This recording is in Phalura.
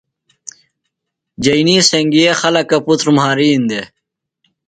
جئینی سنگئے خلکہ پُتر مھارِین دےۡ۔